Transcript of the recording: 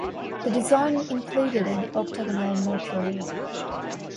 The design included an octagonal mortuary.